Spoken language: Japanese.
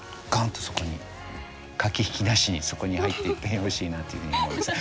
そこに駆け引きなしにそこに入っていってほしいなというふうに思います。